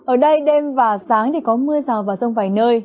ở đây đêm và sáng thì có mưa rào và rông vài nơi